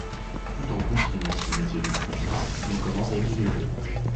Tout en continuant son métier de flûtiste, il commence à diriger.